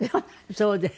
そうで。